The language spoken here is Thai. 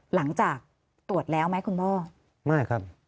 หลังจากตรวจแล้วไหมคุณพ่อไม่ครับ